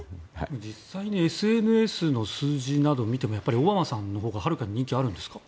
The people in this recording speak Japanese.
実際にＳＮＳの数字などを見てもオバマさんのほうがはるかに人気があるんですか？